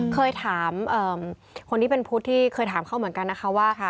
เคยถามคนที่เป็นพุทธที่เคยถามเขาเหมือนกันนะคะว่า